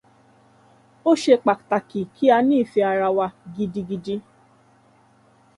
Ó ṣe pàtàkì kí a ní ìfẹ́ ara wa gidigidi.